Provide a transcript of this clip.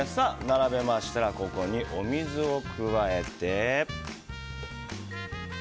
並べましたらここにお水を加えて。